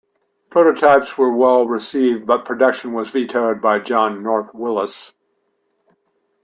Prototypes were well received, but production was vetoed by John North Willys.